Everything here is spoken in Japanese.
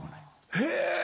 へえ！